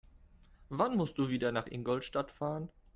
Wann musst du wieder nach Ingolstadt fahren?